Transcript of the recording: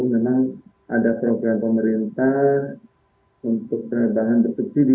namun memang ada program pemerintah untuk perubahan bersubsidi